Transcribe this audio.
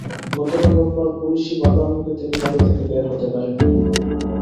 গতকাল রোববার পুলিশি বাধার মুখে তিনি বাড়ি থেকে বের হতে পারেননি।